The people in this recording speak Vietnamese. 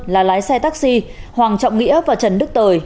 là lái xe taxi hoàng trọng nghĩa và trần đức tời